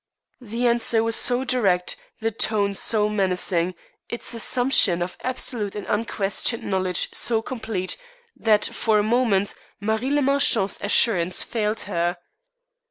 The answer was so direct, the tone so menacing, its assumption of absolute and unquestioned knowledge so complete, that for a moment Marie le Marchant's assurance failed her.